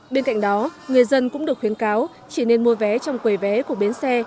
bên cạnh đó người dân cũng được khuyến cáo chỉ nên mua vé trong quầy vé của bến xe